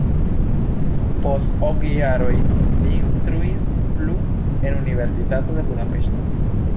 Post ok jaroj li instruis plu en Universitato de Budapeŝto.